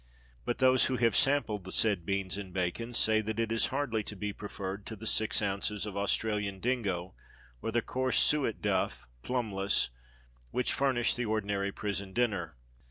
But those who have sampled the said "beans and bacon" say that it is hardly to be preferred to the six ounces of Australian dingo or the coarse suet duff (plumless) which furnish the ordinary prison dinner.